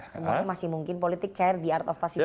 semuanya masih mungkin politik cair di art of position